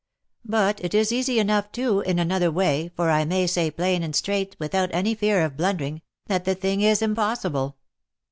But it is easy enough too, in another way, for I may say plain and and straight, without any fear of blundering, that the thing is im possible."